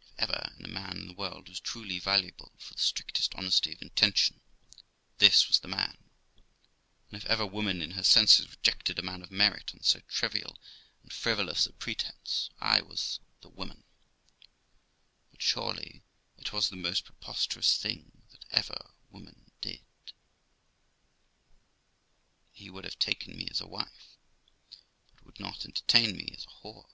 If ever any man in the world was truly valuable for the strictest honesty of intention, this was the man; and if ever woman in her senses rejected a man of merit on so trivial and frivolous a pretence, I was the woman; but surely it was the most preposterous thing that ever woman did. He would have taken me as a wife, but would not entertain me as a whore.